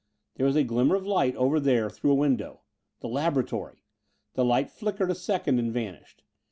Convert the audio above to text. There was a glimmer of light over there, through a window. The laboratory! The light flickered a second and vanished.